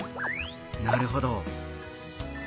なるほど。